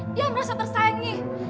dia merasa tersangih